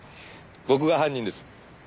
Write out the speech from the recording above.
僕が犯人です。